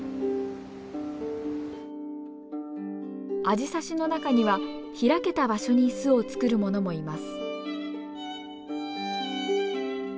アジサシの中には開けた場所に巣を作るものもいます。